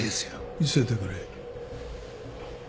見せてくれ。